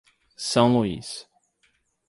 São Luiz